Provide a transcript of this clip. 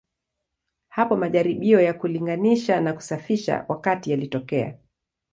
Hapo majaribio ya kulinganisha na kusafisha wakati yalitokea.